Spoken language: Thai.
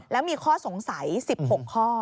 แล้วมีข้อสงสัย๑๖ข้อ